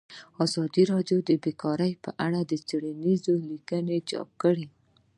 ازادي راډیو د بیکاري په اړه څېړنیزې لیکنې چاپ کړي.